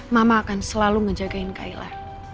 mama akan selalu ngejagain kaila